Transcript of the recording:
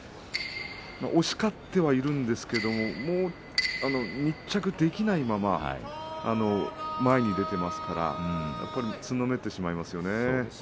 押し勝ってはいるんですが密着できないまま前に出ていますからつんのめってしまいますよね。